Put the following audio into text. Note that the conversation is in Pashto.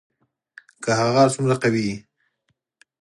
که هغه هر څومره قوي وي